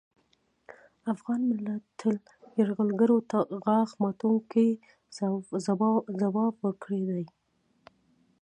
افغان ملت تل یرغلګرو ته غاښ ماتوونکی ځواب ورکړی دی